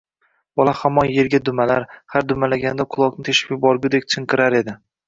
Bola hamon yerga dumalar, har dumalaganda quloqni teshib yuborgudek chinqirar edi.